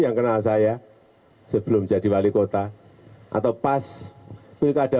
yang menghormati yang menghormati